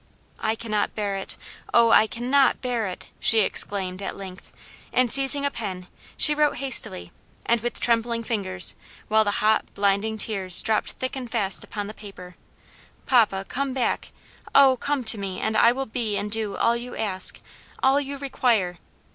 "I cannot bear it! oh, I cannot bear it!" she exclaimed, at length; and seizing a pen, she wrote hastily, and with trembling fingers, while the hot, blinding tears dropped thick and fast upon the paper "Papa, come back! oh, come to me, and I will be and do all you ask, all you require."